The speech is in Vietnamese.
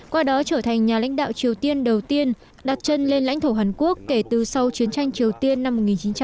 qua đó trở thành nhà lãnh đạo triều tiên đầu tiên đặt chân lên lãnh thổ hàn quốc kể từ sau chiến tranh triều tiên năm một nghìn chín trăm bảy mươi